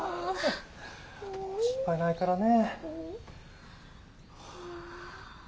もう心配ないからね。